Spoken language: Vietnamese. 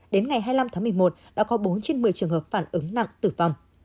đến ngày hai mươi năm tháng một mươi một đã có bốn trên một mươi trường hợp phản ứng nặng tử vong